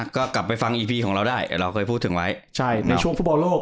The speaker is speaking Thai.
ก็กลับไปฟังอีพีของเราได้เราเคยพูดถึงไว้ใช่ในช่วงฟุตบอลโลก